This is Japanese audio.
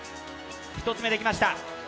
１つ目、できました。